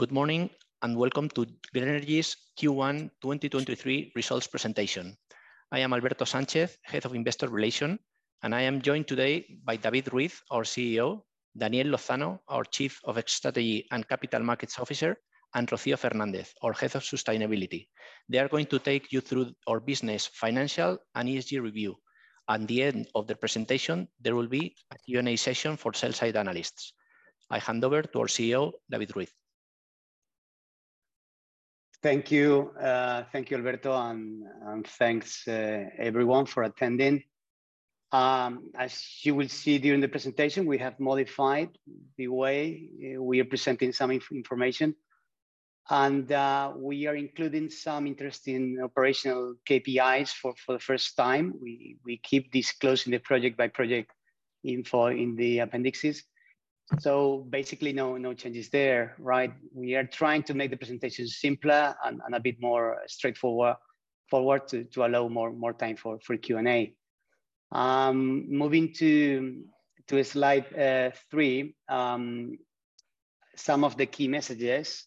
Good morning, welcome to Grenergy Renovables' Q1 2023 results presentation. I am Alberto Sánchez, Director of Investor Relations, and I am joined today by David Ruiz de Andrés, our CEO, Daniel Lozano, our Chief Strategy and Capital Markets Officer, and Rocío Fernández, our Director of Sustainability. They are going to take you through our business, financial and ESG review. At the end of the presentation, there will be a Q&A session for sell-side analysts. I hand over to our CEO, David Ruiz de Andrés. Thank you. Thank you, Alberto, and thanks everyone for attending. As you will see during the presentation, we have modified the way we are presenting some information, and we are including some interesting operational KPIs for the first time. We keep disclosing the project by project info in the appendixes. Basically, no changes there, right? We are trying to make the presentation simpler and a bit more straightforward to allow more time for Q&A. Moving to slide three, some of the key messages.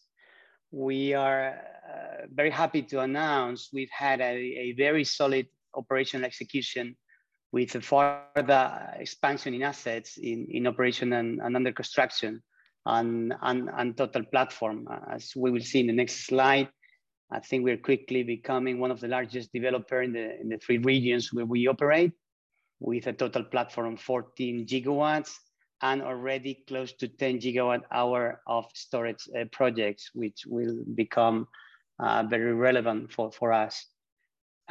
We are very happy to announce we've had a very solid operational execution with further expansion in assets in operation and under construction on total platform, as we will see in the next slide. I think we're quickly becoming one of the largest developer in the three regions where we operate, with a total platform 14 GW and already close to 10 GWh of storage projects, which will become very relevant for us.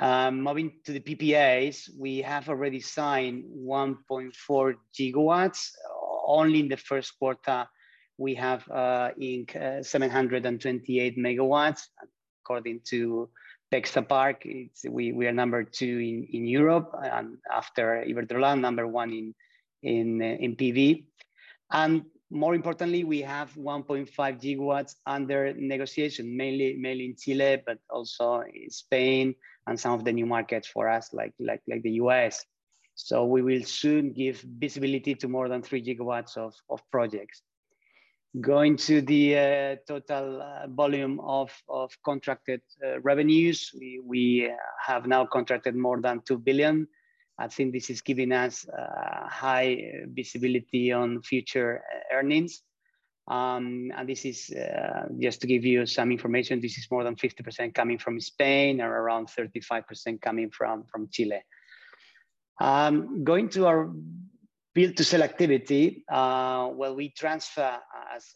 Moving to the PPAs, we have already signed 1.4 GW. Only in the first quarter, we have 728 MW. According to Pexapark, we are number two in Europe, and after Iberdrola, number one in PV. More importantly, we have 1.5 GW under negotiation, mainly in Chile, but also in Spain and some of the new markets for us, like the U.S. We will soon give visibility to more than 3 GW of projects. Going to the total volume of contracted revenues, we have now contracted more than 2 billion. I think this is giving us high visibility on future earnings. This is just to give you some information, this is more than 50% coming from Spain or around 35% coming from Chile. Going to our Build to Sell activity, well, we transfer,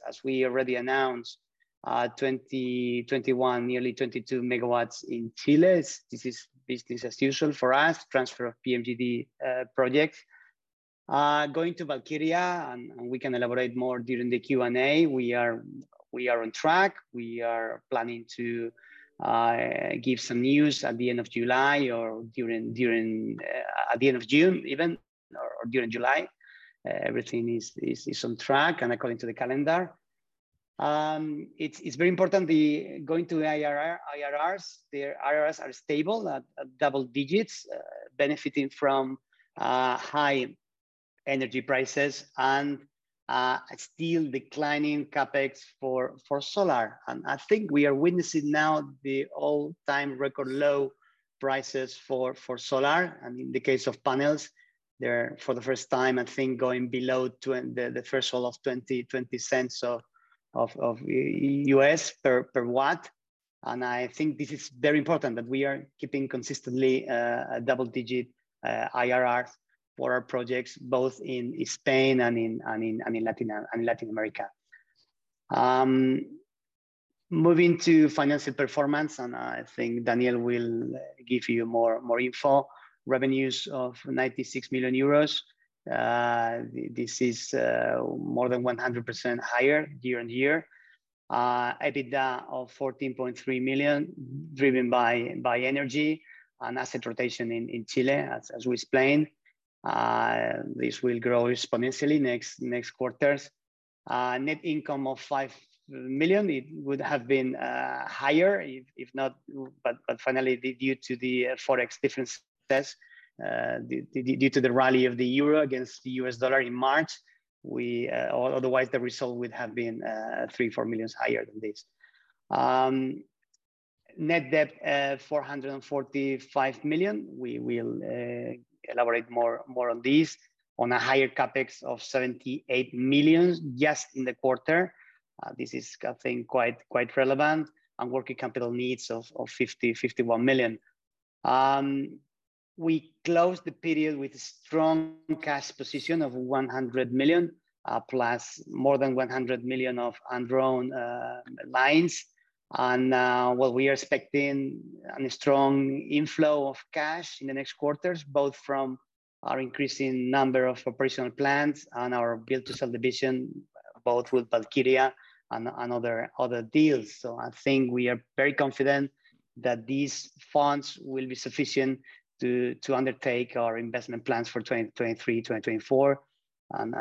as we already announced, 21 MW, nearly 22 MW in Chile. This is business as usual for us, transfer of PMGD projects. Going to Valkyria, and we can elaborate more during the Q&A, we are on track. We are planning to give some news at the end of July or at the end of June even or during July. Everything is on track and according to the calendar. It's very important the IRRs are stable at double digits, benefiting from high energy prices and a still declining CapEx for solar. I think we are witnessing now the all-time record low prices for solar, and in the case of panels, they're for the first time, I think, going below the threshold of $0.20 per watt. I think this is very important that we are keeping consistently a double-digit IRRs for our projects, both in Spain and in Latin America. Moving to financial performance, and I think Daniel will give you more info. Revenues of 96 million euros. This is more than 100% higher year-on-year. EBITDA of 14.3 million, driven by energy and asset rotation in Chile, as we explained. This will grow exponentially next quarters. Net income of 5 million, it would have been higher if not. Finally, due to the forex difference test, due to the rally of the euro against the US dollar in March, we otherwise the result would have been 3 million-4 million higher than this. Net debt, 445 million. We will elaborate more on this. On a higher CapEx of 78 million just in the quarter, this is I think quite relevant, and working capital needs of 50 million-51 million. We closed the period with a strong cash position of 100 million plus more than 100 million of undrawn lines. Well, we are expecting a strong inflow of cash in the next quarters, both from our increasing number of operational plants and our Build to Sell subdivision, both with Valkyria and other deals. I think we are very confident that these funds will be sufficient to undertake our investment plans for 2023-2024.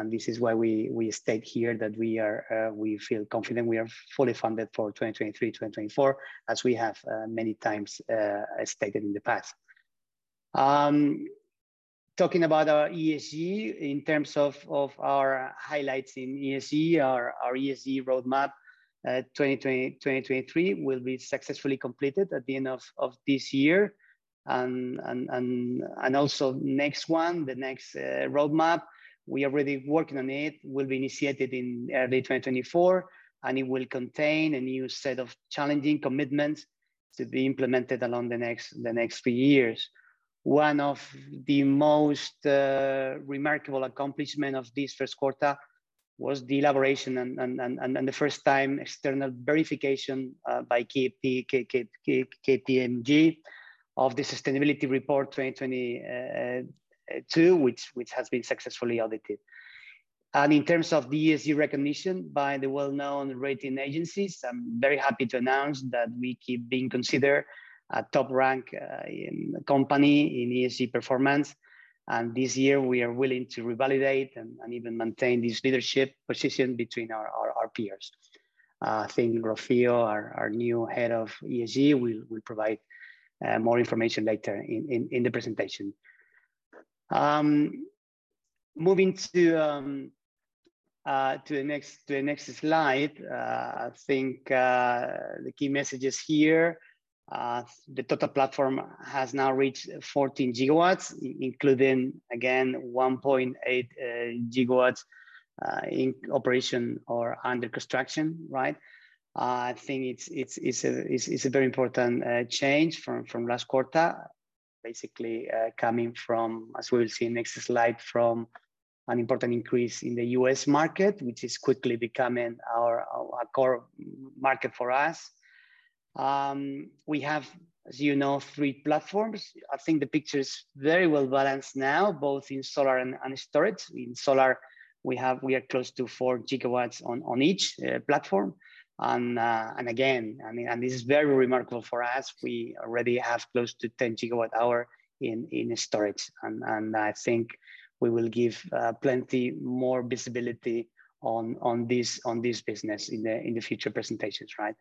This is why we state here that we are, we feel confident we are fully funded for 2023-2024, as we have many times stated in the past. Talking about our ESG in terms of our highlights in ESG, our ESG roadmap, 2020-2023 will be successfully completed at the end of this year. Also next one, the next roadmap, we are already working on it, will be initiated in early 2024, it will contain a new set of challenging commitments to be implemented along the next three years. One of the most remarkable accomplishment of this first quarter was the elaboration and the first time external verification by KPMG of the sustainability report 2022, which has been successfully audited. In terms of the ESG recognition by the well-known rating agencies, I'm very happy to announce that we keep being considered a top rank in company in ESG performance. This year we are willing to revalidate and even maintain this leadership position between our peers. I think Rocío, our new head of ESG, will provide more information later in the presentation. Moving to the next slide, I think the key messages here, the total platform has now reached 14 GW, including again 1.8 GW in operation or under construction, right? I think it's a very important change from last quarter, basically, coming from, as we'll see next slide, from an important increase in the U.S. market, which is quickly becoming our core market for us. We have, as you know, three platforms. I think the picture is very well-balanced now, both in solar and storage. In solar, we are close to 4 GW on each platform. Again, I mean, this is very remarkable for us, we already have close to 10 GWh in storage. I think we will give plenty more visibility on this business in the future presentations, right?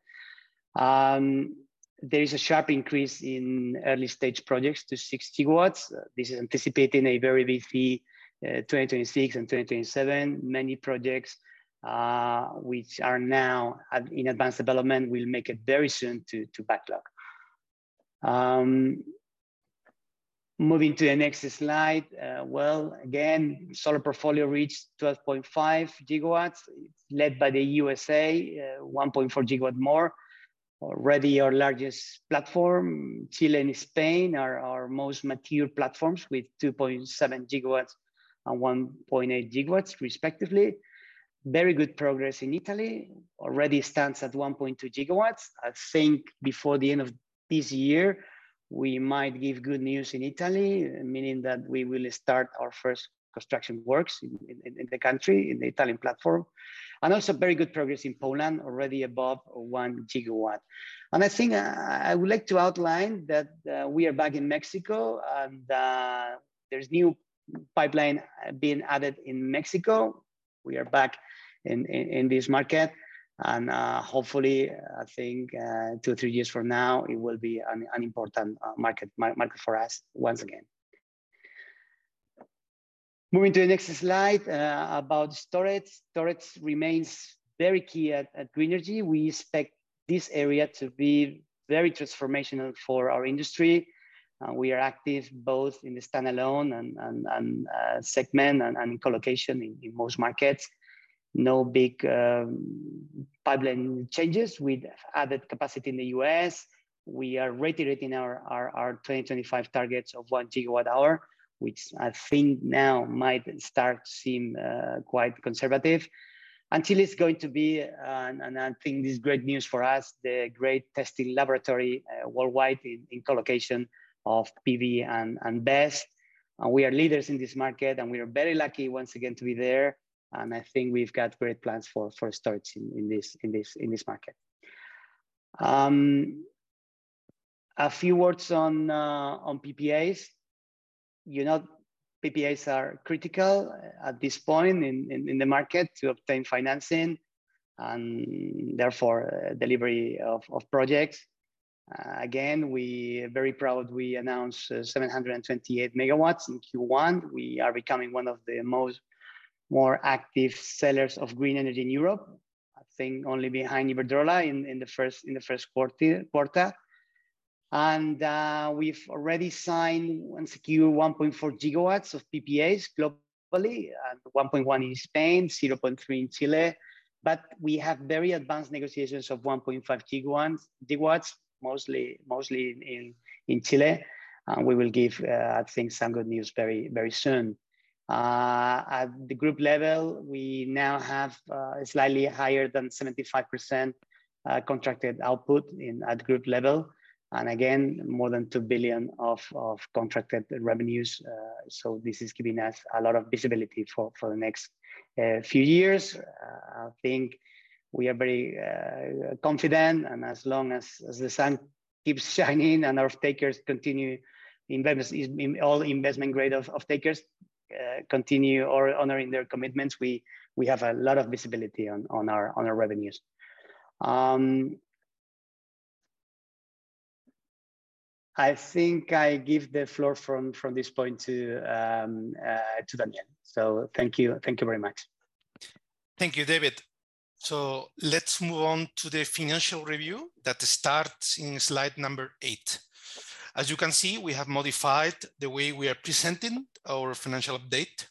There is a sharp increase in early-stage projects to 6 GW. This is anticipating a very busy 2026 and 2027. Many projects, which are now in advanced development will make it very soon to backlog. Moving to the next slide. Well, again, solar portfolio reached 12.5 GW. It's led by the USA, 1.4 GW more. Already our largest platform. Chile and Spain are our most mature platforms with 2.7 GW and 1.8 GW respectively. Very good progress in Italy. Already stands at 1.2 GW. I think before the end of this year, we might give good news in Italy, meaning that we will start our first construction works in the country, in the Italian platform. Also very good progress in Poland, already above 1 GW. I think I would like to outline that we are back in Mexico, there's new pipeline being added in Mexico. We are back in this market hopefully, I think, two, three years from now, it will be an important market for us once again. Moving to the next slide about storage. Storage remains very key at Grenergy. We expect this area to be very transformational for our industry. We are active both in the standalone and segment and collocation in most markets. No big pipeline changes with added capacity in the U.S. We are reiterating our 2025 targets of 1 GWh, which I think now might start to seem quite conservative. Until it's going to be, and I think this is great news for us, the great testing laboratory worldwide in collocation of PV and BESS. We are leaders in this market, and we are very lucky once again to be there. I think we've got great plans for a start in this market. A few words on PPAs. You know, PPAs are critical at this point in, in the market to obtain financing and therefore delivery of projects. Again, we very proud we announced 728 MW in Q1. We are becoming one of the most more active sellers of green energy in Europe. I think only behind Iberdrola in the first quarter. We've already signed and secured 1.4 GW of PPAs globally, and 1.1 in Spain, 0.3 in Chile. We have very advanced negotiations of 1.5 GW, mostly in Chile. We will give, I think, some good news very, very soon. At the group level, we now have slightly higher than 75% contracted output in, at group level, and again, more than 2 billion of contracted revenues. So this is giving us a lot of visibility for the next few years. I think we are very confident, and as long as the sun keeps shining and our off-takers continue in all Investment Grade off-takers, continue honoring their commitments, we have a lot of visibility on our revenues. I think I give the floor from this point to Daniel. Thank you. Thank you very much. Thank you, David. Let's move on to the financial review that starts in slide number eight. As you can see, we have modified the way we are presenting our financial update.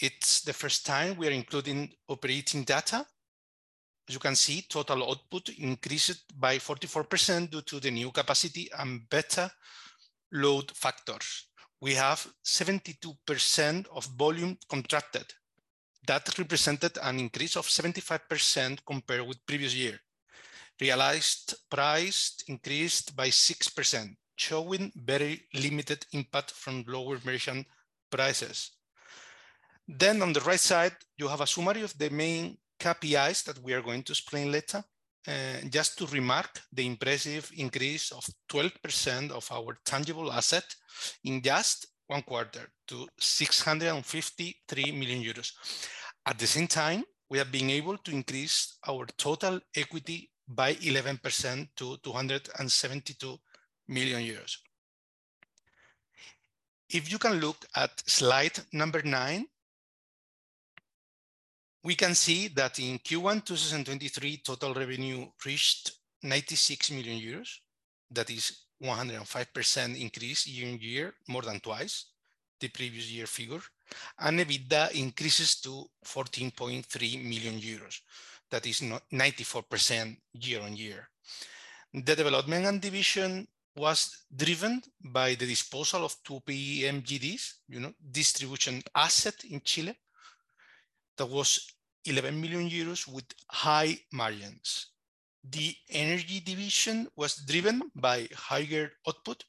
It's the first time we are including operating data. As you can see, total output increased by 44% due to the new capacity and better load factors. We have 72% of volume contracted. That represented an increase of 75% compared with previous year. Realized price increased by 6%, showing very limited impact from lower merchant prices. On the right side, you have a summary of the main KPIs that we are going to explain later. Just to remark the impressive increase of 12% of our tangible asset in just one quarter to 653 million euros. At the same time, we have been able to increase our total equity by 11% to 272 million euros. If you can look at slide nine, we can see that in Q1 2023, total revenue reached 96 million euros. That is 105% increase year-over-year, more than twice the previous year figure. EBITDA increases to 14.3 million euros. That is 94% year-over-year. The development and division was driven by the disposal of two PMGDs, you know, distribution asset in Chile. That was 11 million euros with high margins. The energy division was driven by higher output,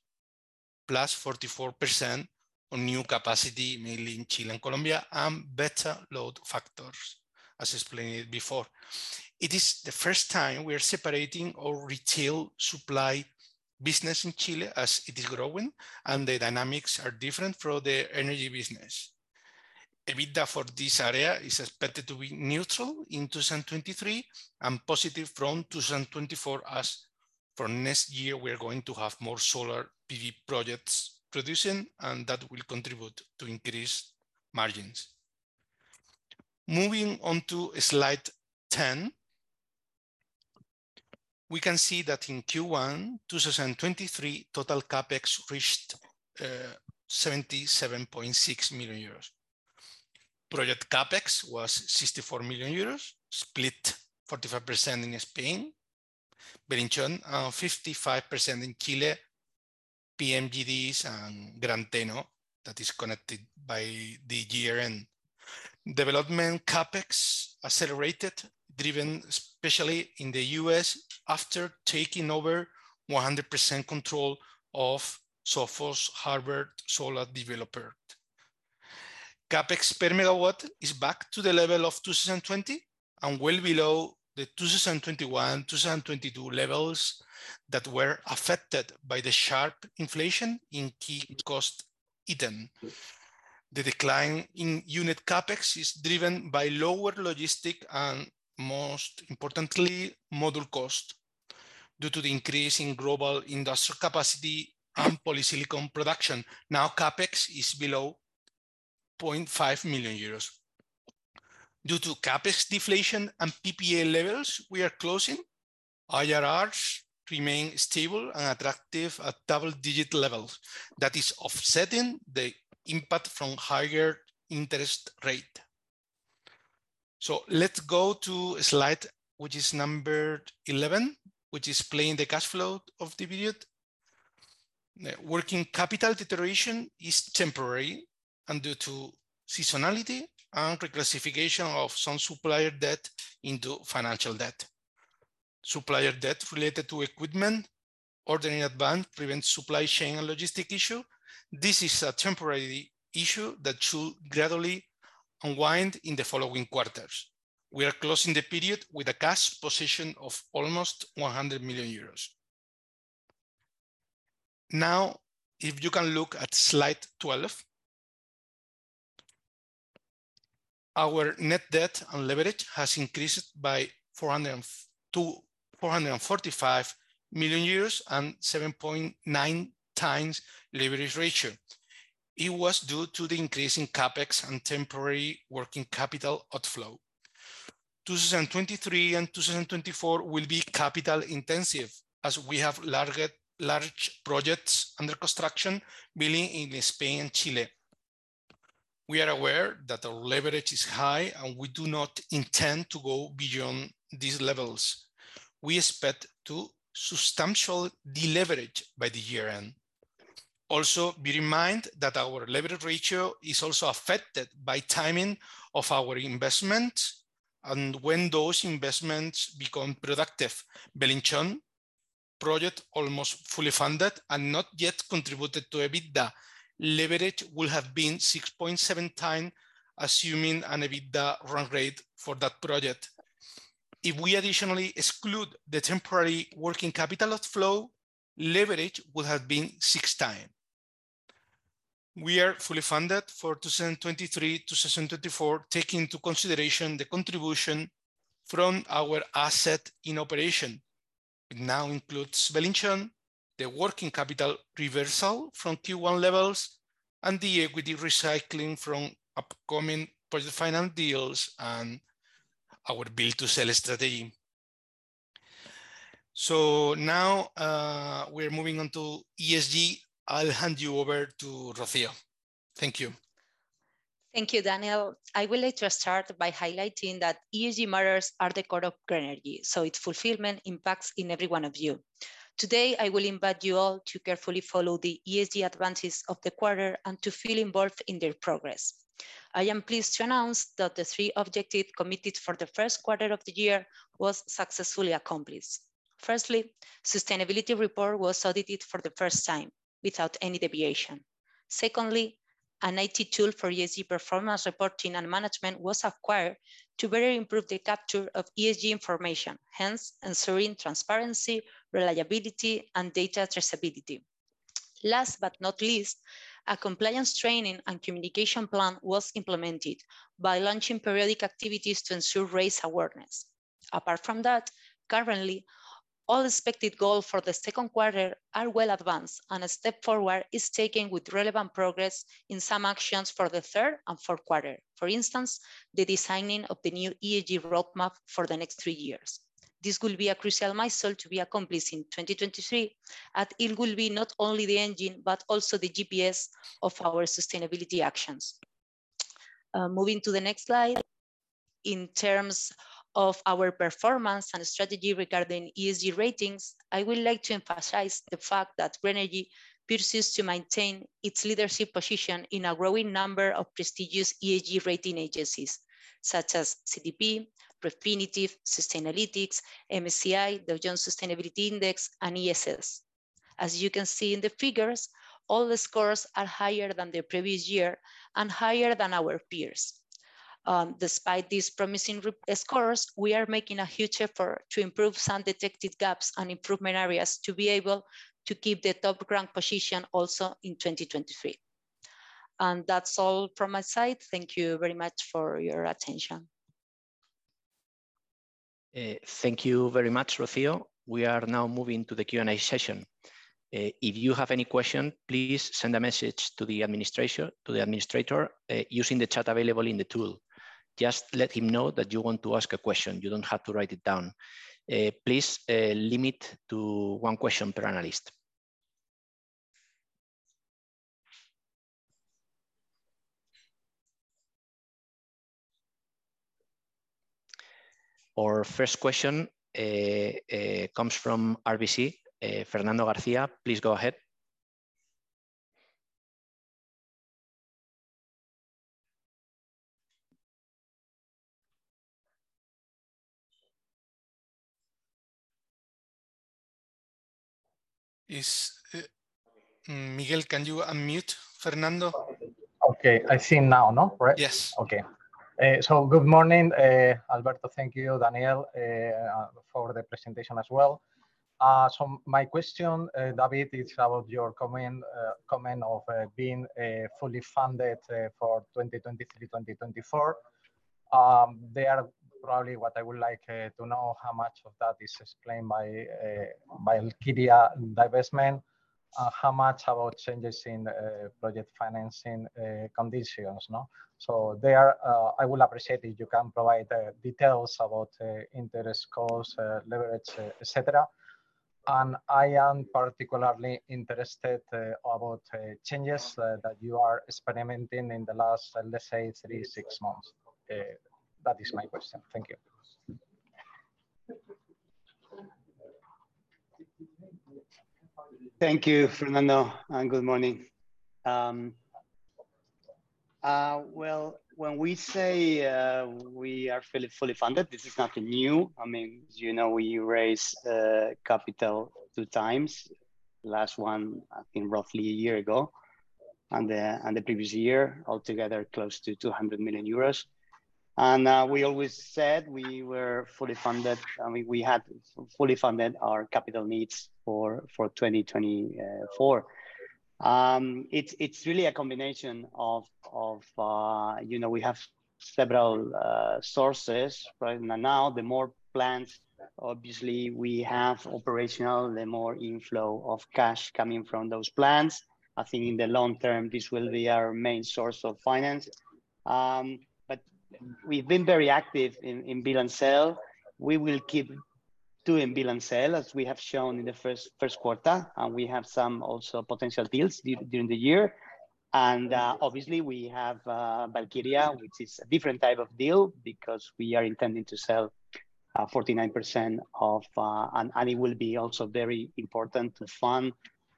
+44% on new capacity, mainly in Chile and Colombia, and better load factors, as explained before. It is the first time we are separating our retail supply business in Chile as it is growing, the dynamics are different for the energy business. EBITDA for this area is expected to be neutral in 2023 and positive from 2024 as for next year, we are going to have more solar PV projects producing, that will contribute to increased margins. Moving on to slide 10, we can see that in Q1 2023, total CapEx reached 77.6 million euros. Project CapEx was 64 million euros, split 45% in Spain, in Chile, 55% in Chile, PMGDs and Gran Teno that is connected by the year-end. Development CapEx accelerated, driven especially in the U.S. after taking over 100% control of Sofos Harbert solar developer. CapEx per megawatt is back to the level of 2020 and well below the 2021, 2022 levels that were affected by the sharp inflation in key cost item. The decline in unit CapEx is driven by lower logistic and, most importantly, module cost due to the increase in global industrial capacity and polysilicon production. CapEx is below 0.5 million euros. Due to CapEx deflation and PPA levels we are closing, IRRs remain stable and attractive at double-digit levels. That is offsetting the impact from higher interest rate. Let's go to a slide which is numbered 11, which is playing the cash flow of the period. Working capital deterioration is temporary and due to seasonality and reclassification of some supplier debt into financial debt. Supplier debt related to equipment, ordering advance prevents supply chain and logistic issue. This is a temporary issue that should gradually unwind in the following quarters. We are closing the period with a cash position of almost 100 million euros. If you can look at slide 12, our net debt and leverage has increased to EUR 445 million and 7.9 times leverage ratio. It was due to the increase in CapEx and temporary working capital outflow. 2023 and 2024 will be capital intensive as we have large projects under construction, mainly in Spain and Chile. We are aware that our leverage is high, and we do not intend to go beyond these levels. We expect to substantial deleverage by the year-end. Bear in mind that our leverage ratio is also affected by timing of our investment and when those investments become productive. Belinchón project almost fully funded and not yet contributed to EBITDA. Leverage will have been 6.7 times, assuming an EBITDA run rate for that project. If we additionally exclude the temporary working capital outflow, leverage would have been 6 times. We are fully funded for 2023 to 2024, taking into consideration the contribution from our asset in operation. It now includes Wellington, the working capital reversal from Q1 levels, and the equity recycling from upcoming Project Finance deals and our Build to Sell strategy. Now, we're moving on to ESG. I'll hand you over to Rocío. Thank you. Thank you, Daniel. I would like to start by highlighting that ESG matters are the core of Grenergy, so its fulfillment impacts in every one of you. Today, I will invite you all to carefully follow the ESG advances of the quarter and to feel involved in their progress. I am pleased to announce that the three objective committed for the first quarter of the year was successfully accomplished. Firstly, Sustainability report was audited for the first time without any deviation. Secondly, an IT tool for ESG performance reporting and management was acquired to better improve the capture of ESG information, hence ensuring transparency, reliability, and data traceability. Last but not least, a compliance training and communication plan was implemented by launching periodic activities to ensure raise awareness. Apart from that, currently, all expected goal for the second quarter are well advanced, and a step forward is taken with relevant progress in some actions for the third and fourth quarter. For instance, the designing of the new ESG roadmap for the next three years. This will be a crucial milestone to be accomplished in 2023, and it will be not only the engine, but also the GPS of our sustainability actions. Moving to the next slide. In terms of our performance and strategy regarding ESG ratings, I would like to emphasize the fact that Grenergy persists to maintain its leadership position in a growing number of prestigious ESG rating agencies, such as CDP, Refinitiv, Sustainalytics, MSCI, the Dow Jones Sustainability Index, and ESS. As you can see in the figures, all the scores are higher than the previous year and higher than our peers. Despite these promising scores, we are making a huge effort to improve some detected gaps and improvement areas to be able to keep the top ground position also in 2023. That's all from my side. Thank you very much for your attention. Thank you very much, Rocío. We are now moving to the Q&A session. If you have any question, please send a message to the administrator, using the chat available in the tool. Just let him know that you want to ask a question. You don't have to write it down. Please limit to one question per analyst. Our first question comes from RBC. Fernando Garcia, please go ahead. Is Miguel, can you unmute Fernando? Okay. I see him now, no? Correct. Yes. Okay. Good morning, Alberto. Thank you, Daniel, for the presentation as well. My question, David, it's about your comment of being fully funded for 2023, 2024. They are probably what I would like to know how much of that is explained by Valkyria divestment, how much about changes in project financing conditions. They are. I would appreciate if you can provide details about interest costs, leverage, et cetera. I am particularly interested about changes that you are experimenting in the last, let's say, three, six months. That is my question. Thank you. Thank you, Fernando, good morning. Well, when we say we are fully funded, this is nothing new. I mean, you know, we raised capital 2 times. Last one, I think, roughly a year ago and the previous year, altogether close to 200 million euros. We always said we were fully funded. I mean, we had fully funded our capital needs for 2024. It's really a combination of, you know, we have several sources right now. The more plants obviously we have operational, the more inflow of cash coming from those plants. I think in the long term, this will be our main source of finance. We've been very active in build and sell. We will keep doing Build to Sell as we have shown in the first quarter. We have some also potential deals during the year. Obviously we have Valkyria, which is a different type of deal because we are intending to sell 49% of. It will be also very important to fund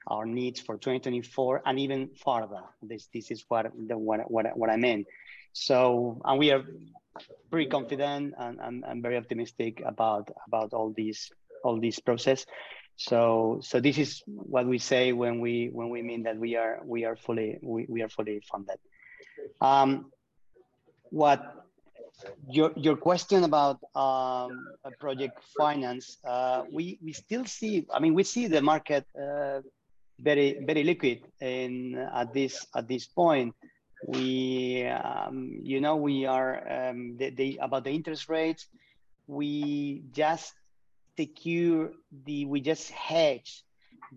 our needs for 2024 and even farther. This is what I mean. We are pretty confident and very optimistic about all this process. This is what we say when we mean that we are fully funded. What, your question about a Project Finance, we still see. I mean, we see the market very liquid at this point. We, you know, we are. About the interest rates, we just hedge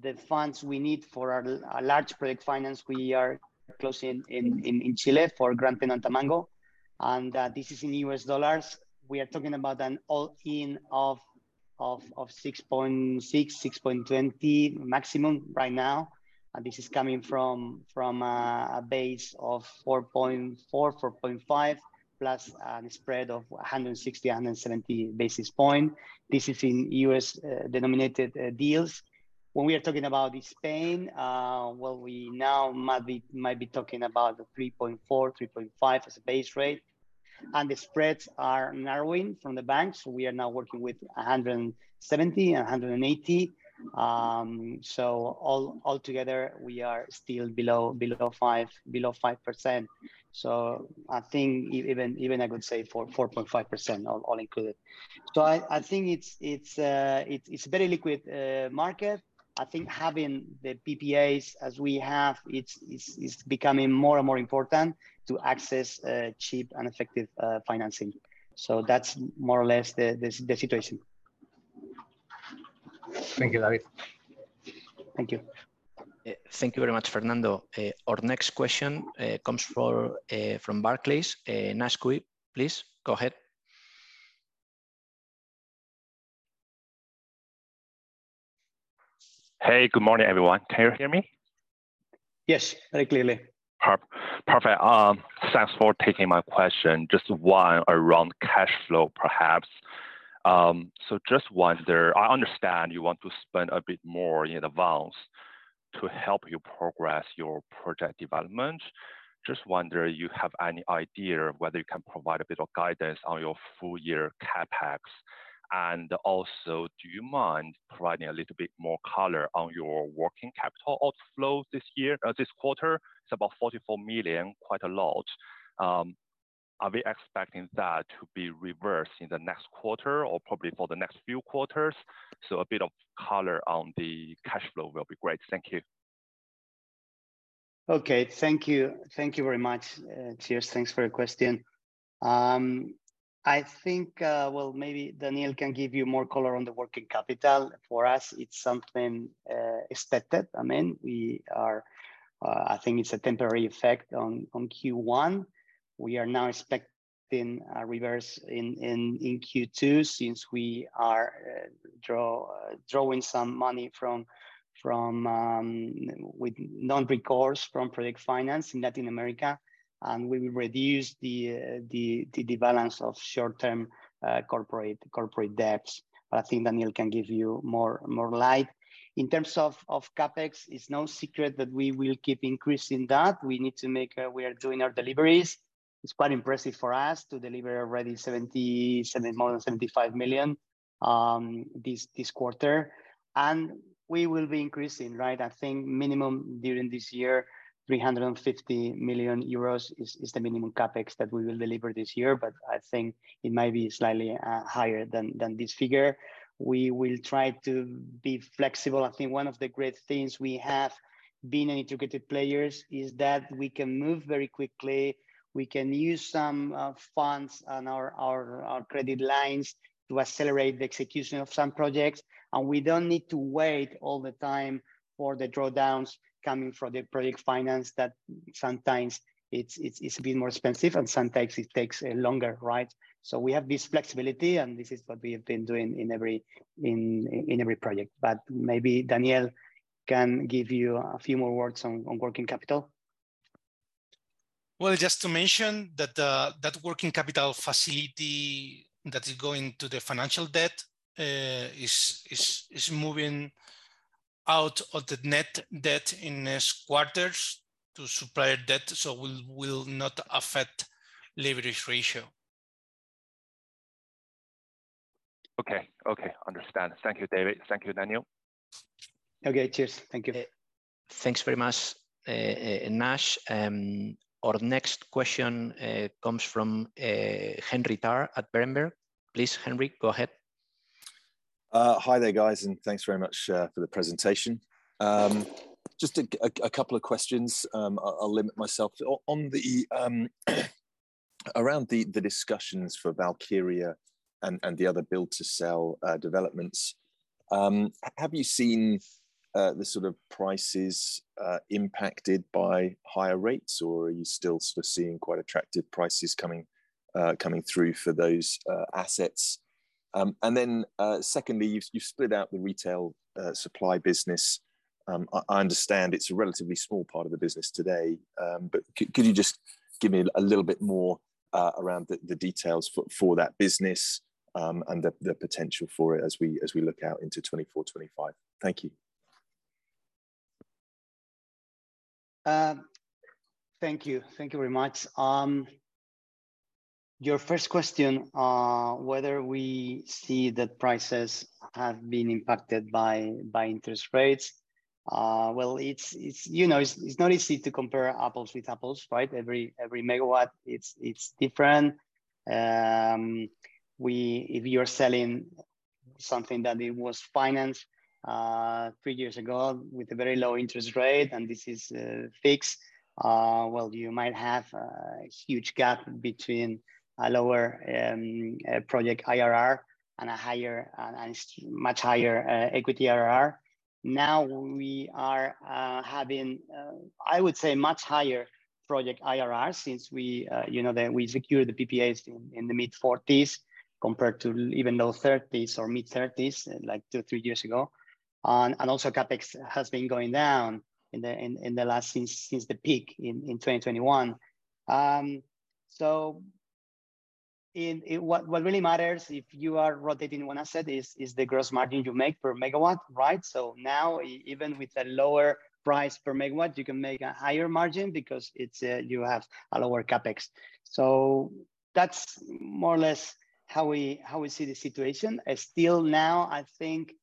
the funds we need for our, a large Project Finance we are closing in Chile for Gran Teno, Tamango. This is in U.S. dollars. We are talking about an all-in of 6.6, 6.20 maximum right now. This is coming from a base of 4.4, 4.5, plus a spread of 160, 170 basis point. This is in U.S. denominated deals. When we are talking about in Spain, well, we now might be talking about the 3.4, 3.5 as a base rate, and the spreads are narrowing from the banks. We are now working with 170, 180. Altogether we are still below 5%. I think even I would say 4%, 4.5% all included. I think it's a very liquid market. I think having the PPAs as we have, it's becoming more and more important to access cheap and effective financing. That's more or less the situation. Thank you, David. Thank you. Thank you very much, Fernando. Our next question comes from Barclays. Naish Cui, please go ahead. Hey. Good morning, everyone. Can you hear me? Yes. Very clearly. Perfect. Thanks for taking my question. Just one around cash flow, perhaps. Just wonder. I understand you want to spend a bit more in advance to help you progress your project development. Just wonder you have any idea whether you can provide a bit of guidance on your full year CapEx. Also, do you mind providing a little bit more color on your working capital outflows this year, this quarter? It's about 44 million, quite a lot. Are we expecting that to be reversed in the next quarter or probably for the next few quarters? A bit of color on the cash flow will be great. Thank you. Okay. Thank you. Thank you very much, Cheers. Thanks for your question. I think, well, maybe Daniel can give you more color on the working capital. For us, it's something expected. I mean, we are. I think it's a temporary effect on Q1. We are now expecting a reverse in Q2, since we are drawing some money from with non-recourse from project finance in Latin America, and we will reduce the balance of short-term corporate debts. I think Daniel can give you more light. In terms of CapEx, it's no secret that we will keep increasing that. We need to make. We are doing our deliveries. It's quite impressive for us to deliver already more than 75 million this quarter. We will be increasing, right? I think minimum during this year, 350 million euros is the minimum CapEx that we will deliver this year. I think it might be slightly higher than this figure. We will try to be flexible. I think one of the great things we have been an integrated players is that we can move very quickly. We can use some funds on our credit lines to accelerate the execution of some projects. We don't need to wait all the time for the drawdowns coming from the Project Finance that sometimes it's a bit more expensive and sometimes it takes longer, right? We have this flexibility, and this is what we have been doing in every project. Maybe Daniel can give you a few more words on working capital. Just to mention that working capital facility that is going to the financial debt, is moving out of the net debt in these quarters to supplier debt, so will not affect leverage ratio. Okay. Understand. Thank you, David. Thank you, Daniel. Okay. Cheers. Thank you. Thanks very much, Nash. Our next question comes from Henry Tarr at Berenberg. Please, Henry, go ahead. Hi there, guys, thanks very much for the presentation. Just a couple of questions. I'll limit myself. On the around the discussions for Valkyria and the other Build to Sell developments, have you seen the sort of prices impacted by higher rates, or are you still sort of seeing quite attractive prices coming through for those assets? Secondly, you've split out the retail supply business. I understand it's a relatively small part of the business today, could you just give me a little bit more around the details for that business, and the potential for it as we look out into 2024, 2025? Thank you. Thank you. Thank you very much. Your first question, whether we see that prices have been impacted by interest rates. Well, it's, you know, it's not easy to compare apples with apples, right? Every megawatt, it's different. If you're selling something that it was financed three years ago with a very low interest rate, and this is fixed, well, you might have a huge gap between a lower project IRR and a higher and much higher equity IRR. Now we are having, I would say, much higher project IRR since we, you know, we secured the PPAs in the mid-40s compared to even low 30s or mid-30s, like two, three years ago. Also CapEx has been going down in the last since the peak in 2021. What really matters if you are rotating one asset is the gross margin you make per megawatt, right? Now even with a lower price per megawatt, you can make a higher margin because it's you have a lower CapEx. That's more or less how we see the situation. Still now I think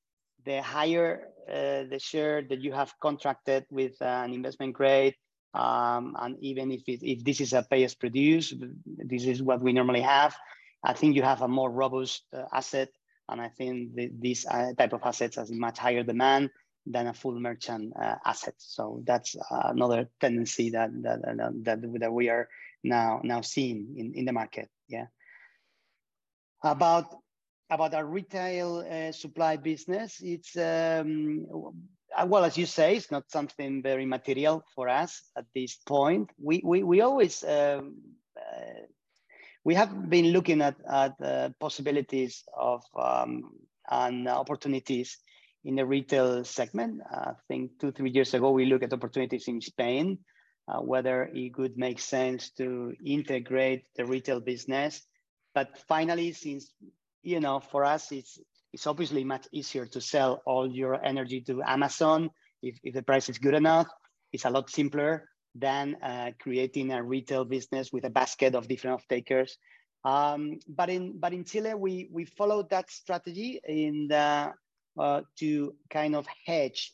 the higher the share that you have contracted with an Investment Grade, and even if this is a pay-as-produced, this is what we normally have, I think you have a more robust asset, and I think these type of assets has much higher demand than a full merchant asset. That's another tendency that we are now seeing in the market. About our retail supply business, it's, well, as you say, it's not something very material for us at this point. We always we have been looking at possibilities of and opportunities in the retail segment. I think two, three years ago we looked at opportunities in Spain, whether it would make sense to integrate the retail business. Finally, since, you know, for us it's obviously much easier to sell all your energy to Amazon if the price is good enough. It's a lot simpler than creating a retail business with a basket of different off-takers. In Chile, we followed that strategy in the to kind of hedge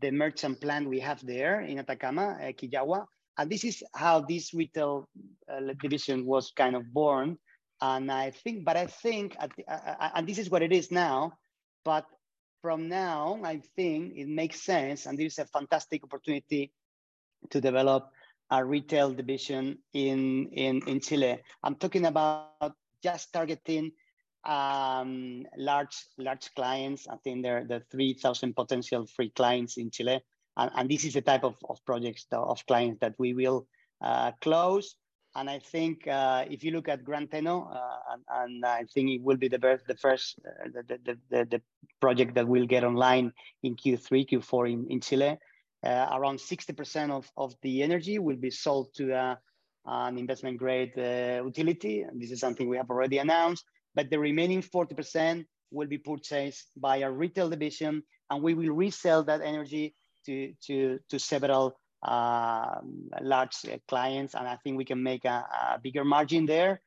the merchant plan we have there in Atacama at Quillagua. This is how this retail division was kind of born. This is what it is now, from now, I think it makes sense, and this is a fantastic opportunity to develop a retail division in Chile. I'm talking about just targeting large clients. I think there are 3,000 potential free clients in Chile. This is the type of projects, of clients that we will close. I think, if you look at Gran Teno, I think it will be the first project that will get online in Q3, Q4 in Chile. Around 60% of the energy will be sold to an investment grade utility, this is something we have already announced. The remaining 40% will be purchased by our retail division, and we will resell that energy to several large clients, and I think we can make a bigger margin there.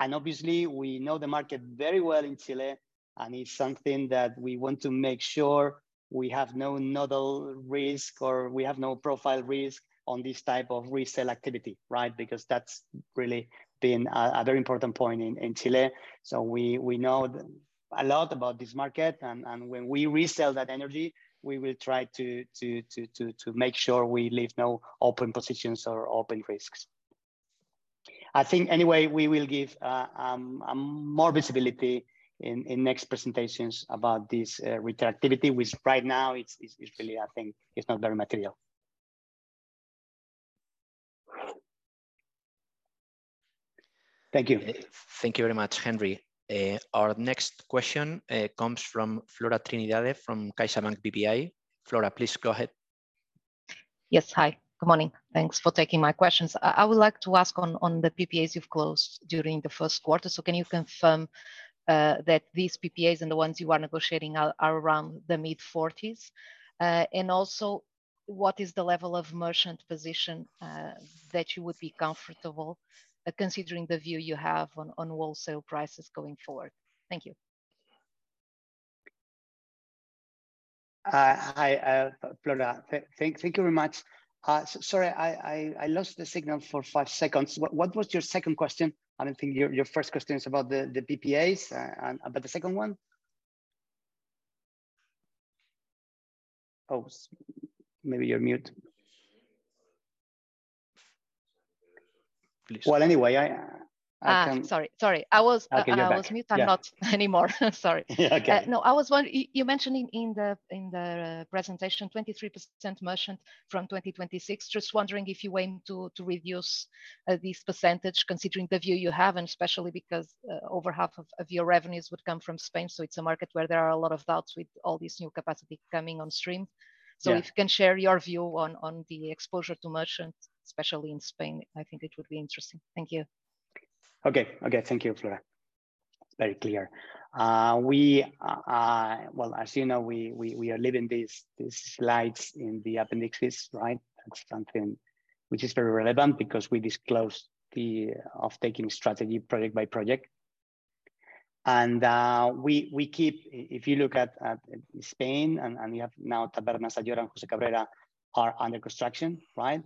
Obviously, we know the market very well in Chile, and it's something that we want to make sure we have no nodal risk or we have no profile risk on this type of resale activity, right? Because that's really been a very important point in Chile. So we know a lot about this market. When we resell that energy, we will try to make sure we leave no open positions or open risks. I think, we will give more visibility in next presentations about this retail activity, which right now it's really, I think it's not very material. Thank you. Thank you very much, Henry. Our next question comes from Flora Trindade from CaixaBank BPI. Flora, please go ahead. Yes. Hi. Good morning. Thanks for taking my questions. I would like to ask on the PPAs you've closed during the first quarter. Can you confirm that these PPAs and the ones you are negotiating are around the mid-40s? What is the level of merchant position that you would be comfortable, considering the view you have on wholesale prices going forward? Thank you. Hi, Flora. Thank you very much. Sorry, I lost the signal for five seconds. What was your second question? I don't think. Your first question is about the PPAs. About the second one? Oh, maybe you're mute. Please. Anyway, I can. I'll get you back. Yeah. I was mute. I'm not anymore. Sorry. Yeah. Okay. No, you mentioned in the presentation, 23% merchant from 2026. Just wondering if you aim to reduce this percentage considering the view you have, and especially because over half of your revenues would come from Spain, so it's a market where there are a lot of doubts with all this new capacity coming on stream. Yeah. If you can share your view on the exposure to merchants, especially in Spain, I think it would be interesting. Thank you. Okay. Okay. Thank you, Flora. Very clear. Well, as you know, we are leaving these slides in the appendices, right? That's something which is very relevant because we disclosed the off-taking strategy project by project. We keep. If you look at Spain and you have now Tabernas III and José Cabrera are under construction, right?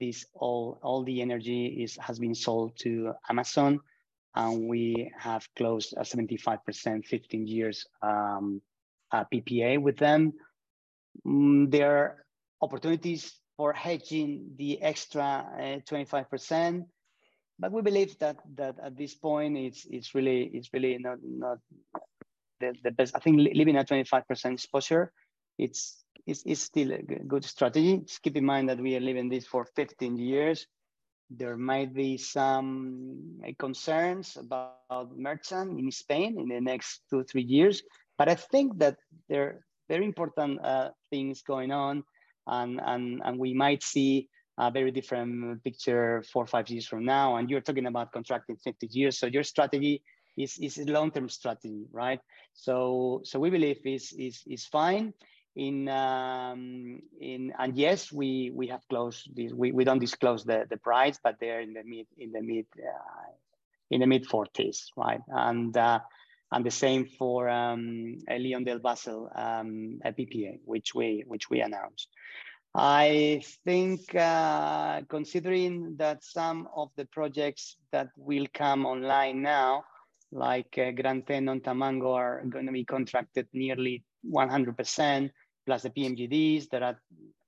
This all the energy is, has been sold to Amazon, and we have closed a 75% 15 years PPA with them. There are opportunities for hedging the extra 25%. We believe that at this point it's really not the best. I think leaving a 25% exposure, it's still a good strategy. Just keep in mind that we are leaving this for 15 years. There might be some concerns about merchant in Spain in the next two, three years. I think that there are very important things going on, and we might see a very different picture four, five years from now. You're talking about contracting 15 years, so your strategy is a long-term strategy, right? We believe is fine. Yes, we have closed. We don't disclose the price, but they're in the mid, in the mid-forties, right? The same for León del Viento PPA, which we announced. I think, considering that some of the projects that will come online now, like Gran Teno and Tamango, are gonna be contracted nearly 100%, plus the PMGDs that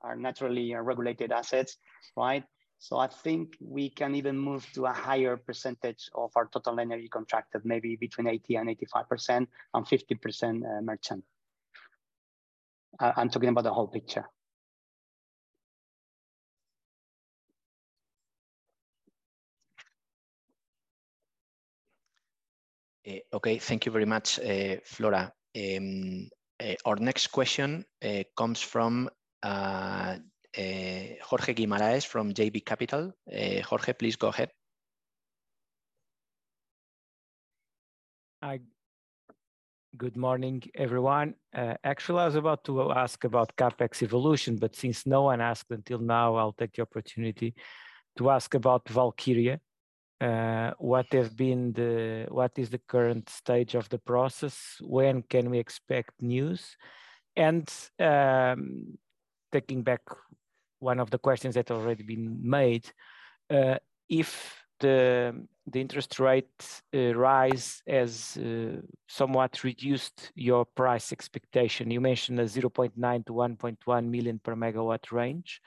are naturally regulated assets, right? I think we can even move to a higher percentage of our total energy contracted, maybe between 80% and 85% and 50%, merchant. I'm talking about the whole picture. Okay. Thank you very much, Flora. Our next question comes from Jorge Guimarães from JB Capital. Jorge, please go ahead. Hi. Good morning, everyone. Actually, I was about to ask about CapEx evolution, but since no one asked until now, I'll take the opportunity to ask about Valkyria. What is the current stage of the process? When can we expect news? Taking back one of the questions that already been made, if the interest rates rise has somewhat reduced your price expectation, you mentioned a 0.9 million-1.1 million per megawatt range.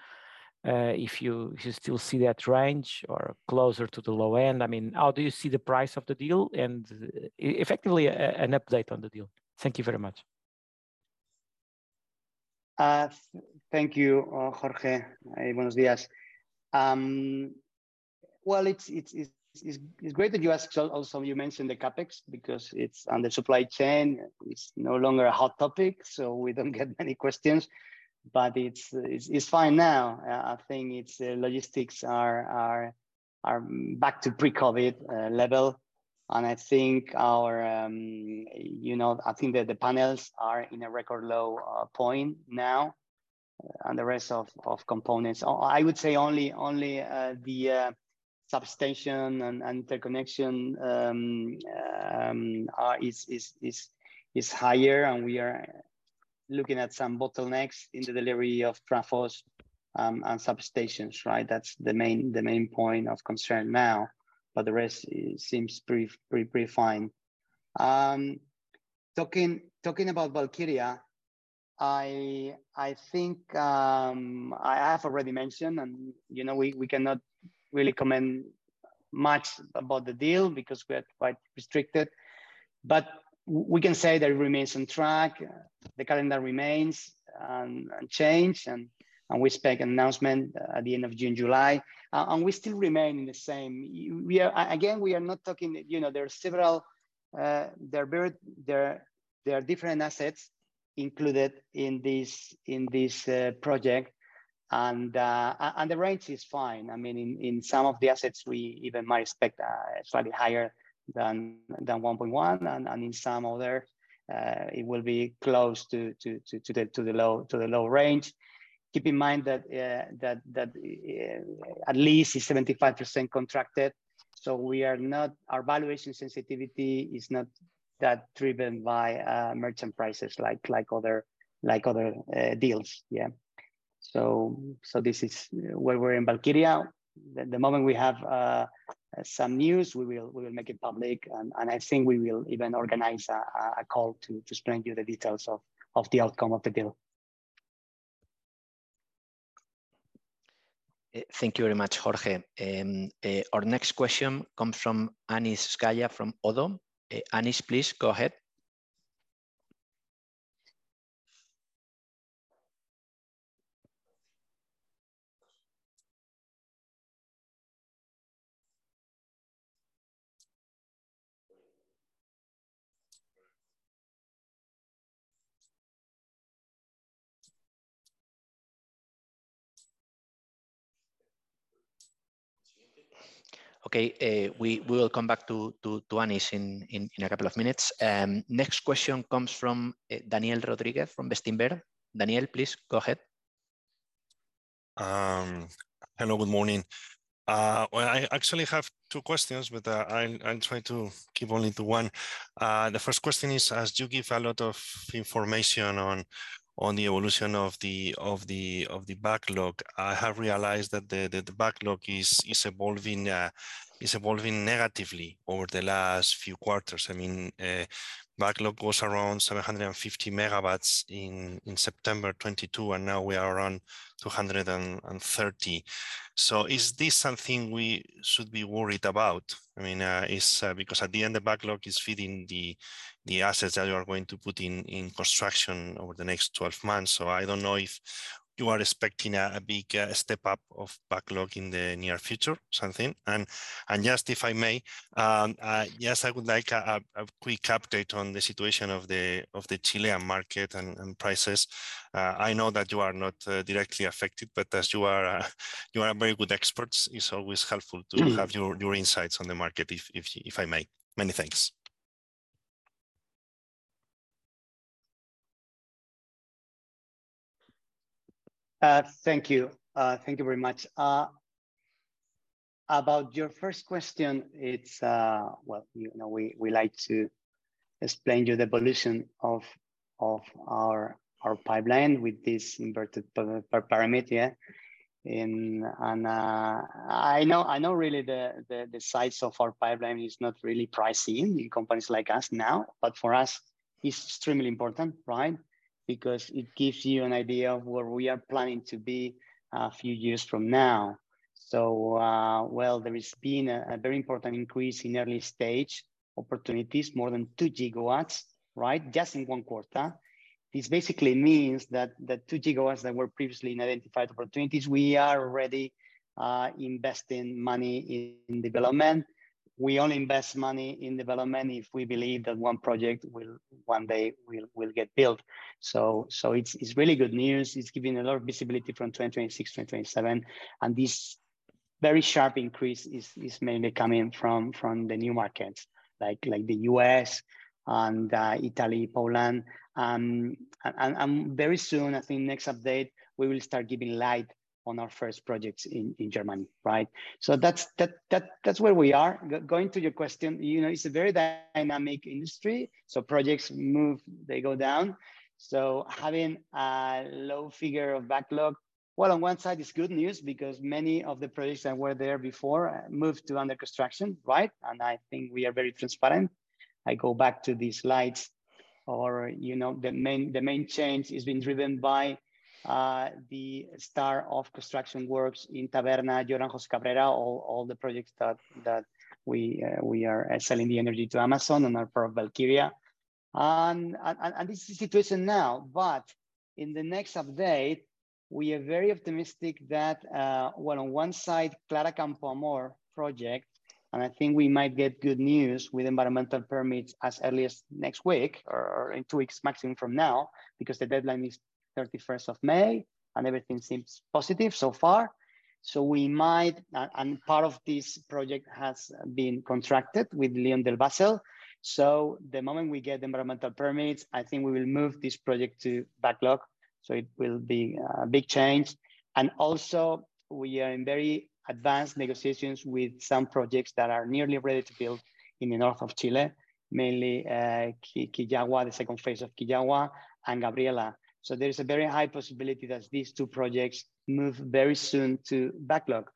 If you still see that range or closer to the low end, I mean, how do you see the price of the deal? Effectively, an update on the deal. Thank you very much. Thank you, Jorge. Buenos dias. Well, it's great that you ask. Also, you mentioned the CapEx because it's on the supply chain. It's no longer a hot topic, so we don't get many questions, but it's fine now. I think its logistics are back to pre-COVID level. I think our, you know, I think that the panels are in a record low point now and the rest of components. I would say only the substation and interconnection is higher, and we are looking at some bottlenecks in the delivery of transformers and substations, right? That's the main point of concern now, but the rest seems pretty fine. Talking about Valkyria, I think I have already mentioned, and, you know, we cannot really comment much about the deal because we are quite restricted. We can say that it remains on track. The calendar remains unchanged, and we expect announcement at the end of June, July. We still remain in the same. Again, we are not talking, you know, there are several, there are very different assets included in this project. And the range is fine. I mean, in some of the assets, we even might expect slightly higher than 1.1. In some other, it will be close to the low range. Keep in mind that at least it's 75% contracted. Our valuation sensitivity is not that driven by merchant prices like other deals. Yeah. This is where we're in Valkyria. The moment we have some news, we will make it public. I think we will even organize a call to explain to you the details of the outcome of the deal. Thank you very much, Jorge. Our next question comes from Anis ZGAYA from ODDO. Anis, please go ahead. Okay. We will come back to Anis in a couple of minutes. Next question comes from Daniel Rodríguez from Bestinver. Daniel, please go ahead. Hello, good morning. Well, I actually have two questions, but I'll try to keep only to one. The first question is, as you give a lot of information on the evolution of the backlog, I have realized that the backlog is evolving negatively over the last few quarters. I mean, backlog was around 750 MW in September 2022, and now we are around 230. Is this something we should be worried about? I mean, because at the end, the backlog is feeding the assets that you are going to put in construction over the next 12 months. I don't know if you are expecting a big step up of backlog in the near future, something. Just if I may, yes, I would like a quick update on the situation of the Chilean market and prices. I know that you are not directly affected, as you are a very good experts, it's always helpful to have your insights on the market if I may. Many thanks. Thank you. Thank you very much. About your first question, it's. Well, you know, we like to explain you the evolution of our pipeline with this inverted pyramid. Yeah. I know really the size of our pipeline is not really pricing in companies like us now, but for us it's extremely important, right? Because it gives you an idea of where we are planning to be a few years from now. Well, there has been a very important increase in early-stage opportunities, more than 2 GW, right? Just in one quarter. This basically means that the 2 GW that were previously in identified opportunities, we are already investing money in development. We only invest money in development if we believe that one project will one day get built. It's really good news. It's giving a lot of visibility from 2026 to 2027. This very sharp increase is mainly coming from the new markets like the U.S. and Italy, Poland. Very soon, I think next update, we will start giving light on our first projects in Germany, right? That's where we are. Going to your question, you know, it's a very dynamic industry, projects move, they go down. Having a low figure of backlog, well, on one side it's good news because many of the projects that were there before moved to under construction, right? I think we are very transparent. I go back to the slides or, you know, the main change is being driven by the start of construction works in Tabernas, José Cabrera, all the projects that we are selling the energy to Amazon and are part of Valkyria. This is the situation now. In the next update, we are very optimistic that, well, on one side, Clara Campoamor project, and I think we might get good news with environmental permits as early as next week or in two weeks maximum from now, because the deadline is 31st of May and everything seems positive so far. Part of this project has been contracted with León del Viento. The moment we get the environmental permits, I think we will move this project to backlog, so it will be a big change. Also, we are in very advanced negotiations with some projects that are nearly ready to build in the north of Chile, mainly Quillagua, the second phase of Quillagua and Gabriela. There is a very high possibility that these two projects move very soon to backlog.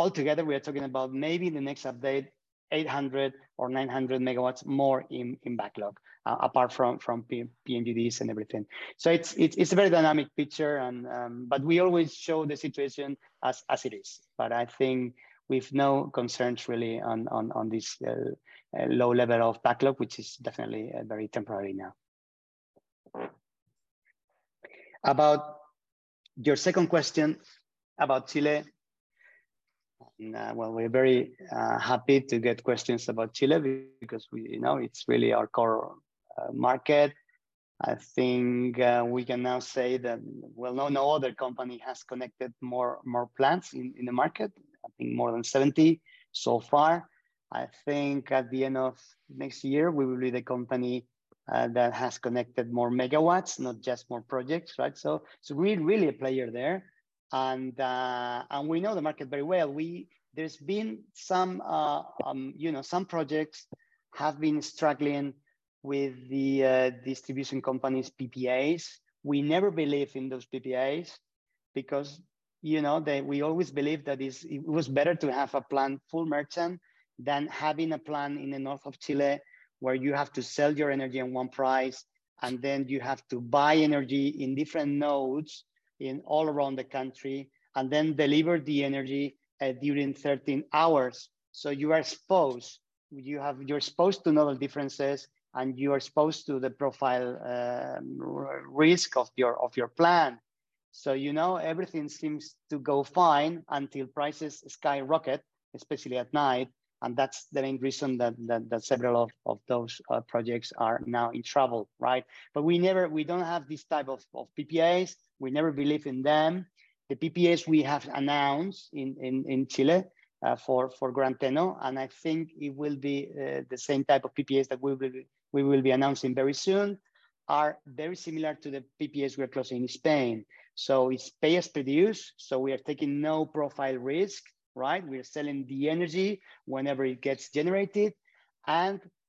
Altogether, we are talking about maybe in the next update, 800 MW or 900 MW more in backlog, apart from PMGDs and everything. It's a very dynamic picture and, but we always show the situation as it is. I think we've no concerns really on this low level of backlog, which is definitely very temporary now. About your second question about Chile. We're very happy to get questions about Chile because we, you know, it's really our core market. I think we can now say that no other company has connected more plants in the market. I think more than 70 so far. I think at the end of next year, we will be the company that has connected more megawatts, not just more projects, right? We're really a player there. We know the market very well. There's been some, you know, some projects have been struggling with the distribution company's PPAs. We never believe in those PPAs because, you know, we always believe it was better to have a plant full merchant than having a plant in the north of Chile, where you have to sell your energy at one price, and then you have to buy energy in different nodes in all around the country and then deliver the energy during 13 hours. You're supposed to know the differences and you are supposed to the profile risk of your plant. You know, everything seems to go fine until prices skyrocket, especially at night, that's the main reason that several of those projects are now in trouble, right? We don't have this type of PPAs. We never believe in them. The PPAs we have announced in Chile for Gran Teno, and I think it will be the same type of PPAs that we will be announcing very soon, are very similar to the PPAs we are closing in Spain. It's pay-as-produced, so we are taking no profile risk, right? We are selling the energy whenever it gets generated.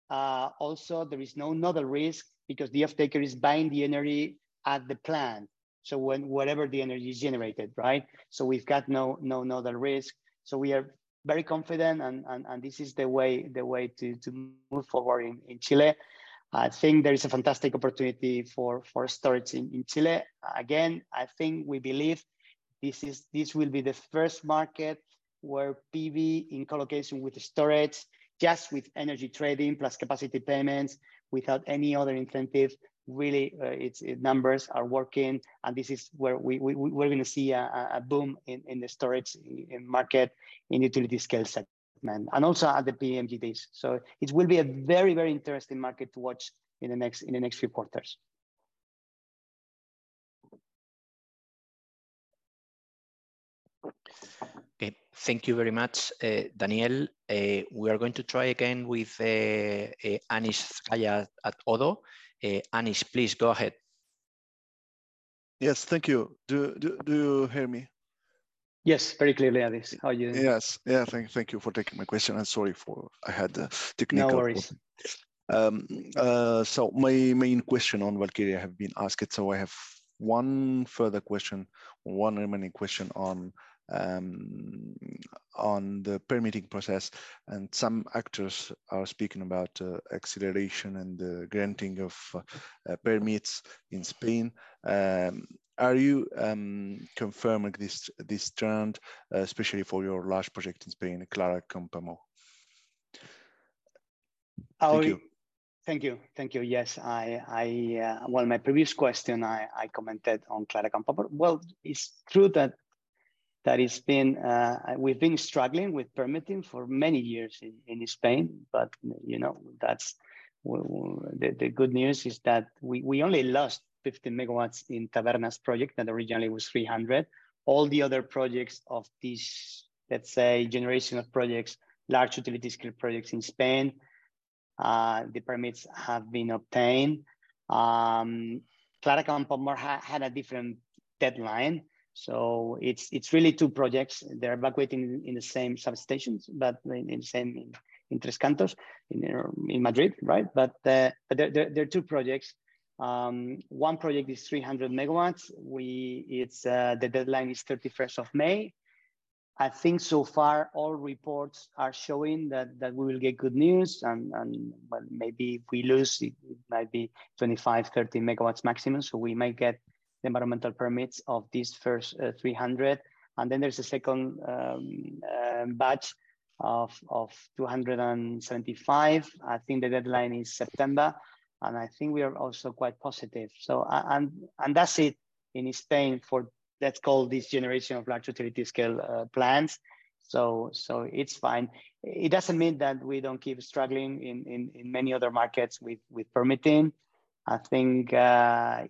Also there is no another risk because the offtaker is buying the energy at the plant, so whatever the energy is generated, right? We've got no another risk. We are very confident and this is the way to move forward in Chile. I think there is a fantastic opportunity for storage in Chile. Again, I think we believe this will be the first market where PV in collocation with storage, just with energy trading plus capacity payments without any other incentive, really, numbers are working and this is where we're gonna see a boom in the storage in market, in utility scale segment, and also at the PMGDs. It will be a very, very interesting market to watch in the next few quarters. Okay. Thank you very much, Daniel. We are going to try again with Anis ZGAYA at ODDO. Anis, please go ahead. Yes. Thank you. Do you hear me? Yes, very clearly, Anis. How are you doing? Yes. Yeah. Thank you for taking my question, and sorry for I had a technical problem. No worries. My main question on Valkyria have been asked, so I have one further question, one remaining question on the permitting process. Some actors are speaking about acceleration and the granting of permits in Spain. Are you confirming this trend, especially for your large project in Spain, Clara Campoamor? Thank you. Thank you. Thank you. Yes. I. Well, in my previous question I commented on Clara Campoamor. Well, it's true that it's been, we've been struggling with permitting for many years in Spain, but, you know, the good news is that we only lost 50 MW in Tabernas project that originally was 300. All the other projects of this, let's say, generation of projects, large utility scale projects in Spain, the permits have been obtained. Clara Campoamor had a different deadline, so it's really two projects. They're evacuating in the same substations, but in the same, in Tres Cantos, in Madrid, right? But, but they're two projects. One project is 300 MW. It's the deadline is 31st of May. I think so far all reports are showing that we will get good news. Maybe if we lose, it might be 25 MW-30 MW maximum. We might get the environmental permits of this first 300. There's a second batch of 275. I think the deadline is September. I think we are also quite positive. That's it in Spain for let's call this generation of large utility scale plants. It's fine. It doesn't mean that we don't keep struggling in many other markets with permitting. I think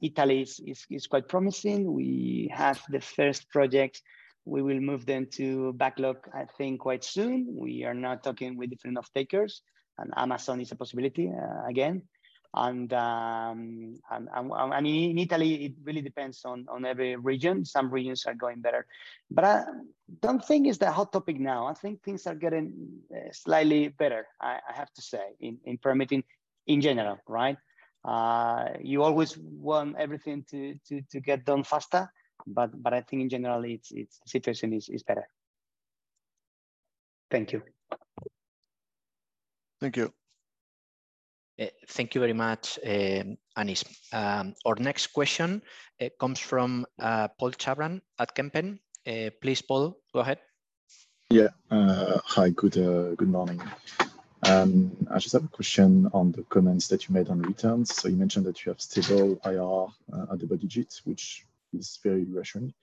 Italy is quite promising. We have the first project. We will move them to backlog, I think, quite soon. We are now talking with different offtakers. Amazon is a possibility again. I mean, in Italy, it really depends on every region. Some regions are going better. I don't think it's the hot topic now. I think things are getting slightly better, I have to say, in permitting in general, right? You always want everything to get done faster, but I think in general it's... the situation is better. Thank you. Thank you. Thank you very much, Anish. Our next question comes from Paul Chavran at Kempen. Please, Paul, go ahead. Hi. Good morning. I just have a question on the comments that you made on returns. You mentioned that you have stable IRR at double digits, which is very reassuring.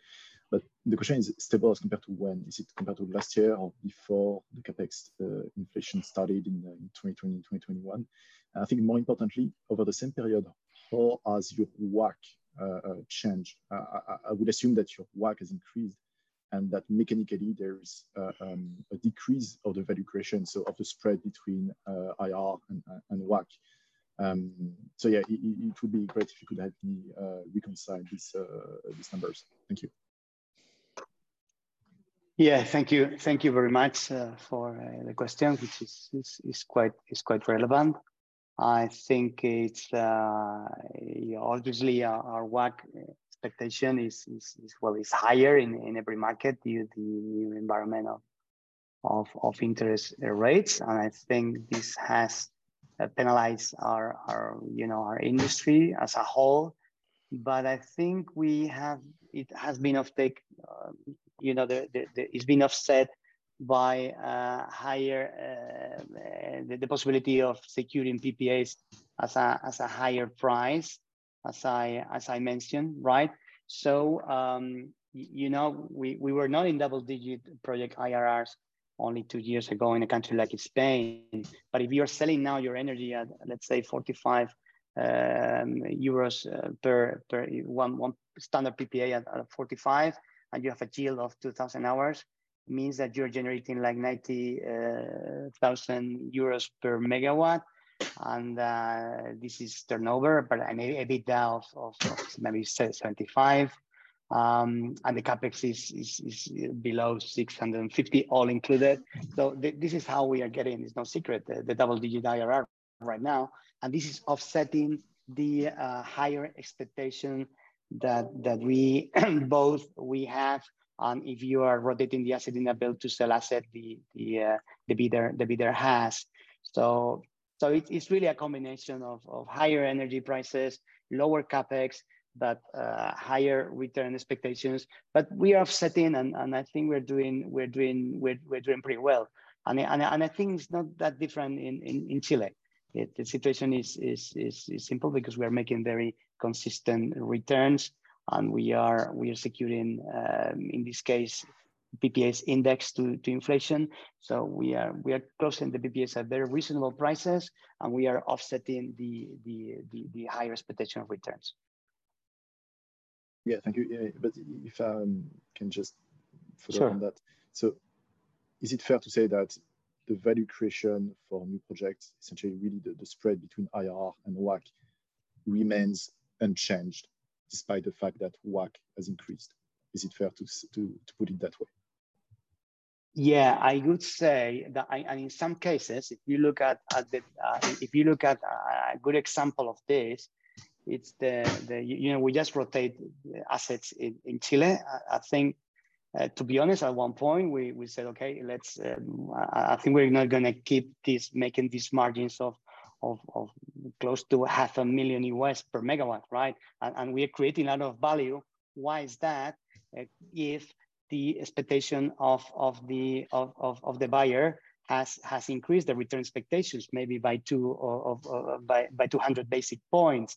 The question is, stable as compared to when? Is it compared to last year or before the CapEx inflation started in 2020, 2021? I think more importantly, over the same period, how has your WACC changed? I would assume that your WACC has increased and that mechanically there is a decrease of the value creation, so of the spread between IRR and WACC. Yeah, it would be great if you could help me reconcile these numbers. Thank you. Yeah. Thank you. Thank you very much for the question, which is quite relevant. I think it's. Obviously our WACC expectation is, well, is higher in every market due the new environment of interest rates. I think this has penalized our, you know, our industry as a whole. I think it has been offtake, you know, the. It's been offset by higher the possibility of securing PPAs as a higher price. As I mentioned, right? You know, we were not in double-digit project IRRs only two years ago in a country like Spain. If you are selling now your energy at, let's say 45 euros per standard PPA at 45, and you have a yield of 2,000 hours, means that you're generating like 90,000 euros per megawatt. This is turnover, a bit down of maybe 75 EUR, and the CapEx is below 650 EUR all included. This is how we are getting, it's no secret, the double-digit IRR right now, and this is offsetting the higher expectation that we both have, if you are rotating the asset in a Build to Sell asset, the bidder has. It's really a combination of higher energy prices, lower CapEx, higher return expectations. We are offsetting, and I think we're doing pretty well. I think it's not that different in Chile. The situation is simple because we are making very consistent returns and we are securing in this case, PPAs indexed to inflation. We are closing the PPAs at very reasonable prices, and we are offsetting the higher expectation of returns. Yeah. Thank you. Yeah. If, can just follow on that. Sure. Is it fair to say that the value creation for new projects, essentially really the spread between IRR and WACC remains unchanged despite the fact that WACC has increased? Is it fair to put it that way? Yeah. I would say that in some cases, if you look at a good example of this, it's the, you know, we just rotate assets in Chile. I think, to be honest, at one point we said, "Okay, I think we're not gonna keep this, making these margins of close to half a million USD per megawatt," right? We are creating a lot of value. Why is that if the expectation of the buyer has increased the return expectations maybe by two or by 200 basic points?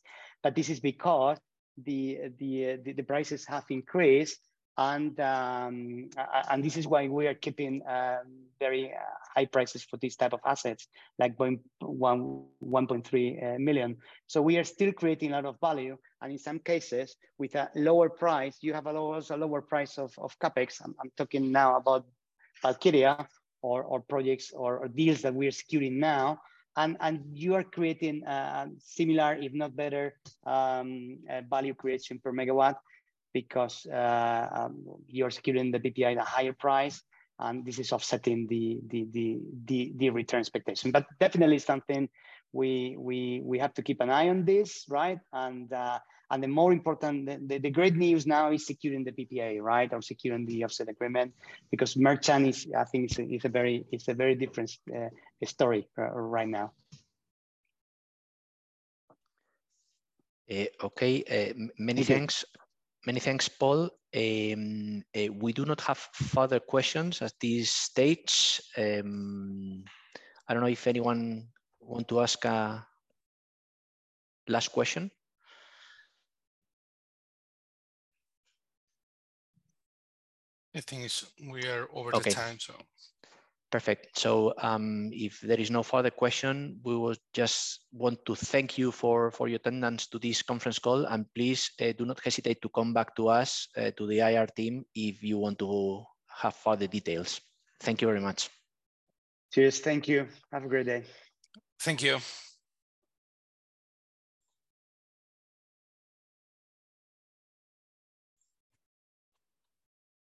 This is because the prices have increased and this is why we are keeping very high prices for these type of assets like 1.1-1.3 million. We are still creating a lot of value and in some cases with a lower price, you have a lower price of CapEx. I'm talking now about Valkyria or projects or deals that we are securing now, and you are creating similar if not better value creation per megawatt because you're securing the PPA at a higher price, and this is offsetting the return expectation. Definitely something we have to keep an eye on this, right? The more important, the great news now is securing the PPA, right? Securing the offset agreement because merchant is, I think it's a very different story right now. Okay. Many thanks. Many thanks, Paul. We do not have further questions at this stage. I don't know if anyone want to ask a last question? I think it's. We are over the time, so. Okay. Perfect. If there is no further question, we will just want to thank you for your attendance to this conference call, please do not hesitate to come back to us to the IR team if you want to have further details. Thank you very much. Cheers. Thank you. Have a great day. Thank you.